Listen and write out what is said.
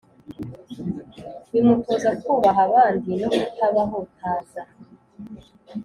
bimutoza kubaha abandi, no kutabahutaza